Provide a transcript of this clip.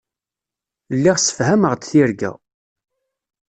Lliɣ ssefhameɣ-d tirga.